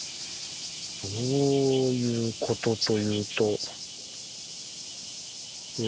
どういうことというとえ。